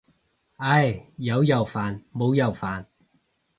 唉，有又煩冇又煩。